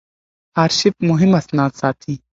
آرشیف مهم اسناد ساتي.